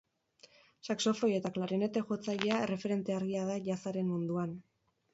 Saxofoi eta klarinete jotzailea erreferente argia da jazzaren munduan.